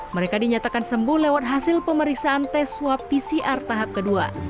mereka dinyatakan sembuh lewat hasil pemeriksaan tes swab pcr tahap kedua